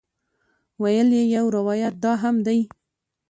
ویل یې یو روایت دا هم دی.